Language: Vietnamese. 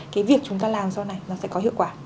cái việc chúng ta làm sau này nó sẽ có hiệu quả